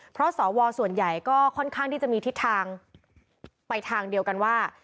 เพราะสวส่วนใหญ่ก็ค่อนข้างที่จะมีทิศทางไปทางเดียวกันว่า